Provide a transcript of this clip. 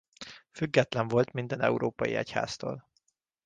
Független volt minden európai egyháztól.